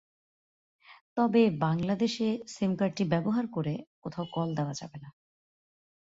তবে বাংলাদেশে সিম কার্ডটি ব্যবহার করে কোথাও কল দেওয়া যাবে না।